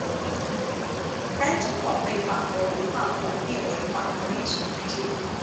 该城堡被法国文化部列为法国历史古迹。